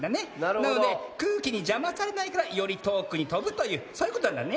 なのでくうきにじゃまされないからよりとおくにとぶというそういうことなんだね。